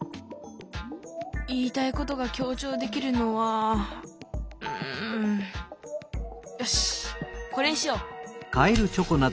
言いたいことが強ちょうできるのはうんよしこれにしよう。